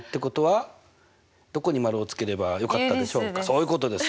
そういうことです。